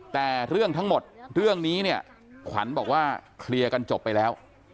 แต่เรื่องทั้งหมดเรื่องนี้เนี่ยขวัญบอกว่าเคลียร์กันจบไปแล้ว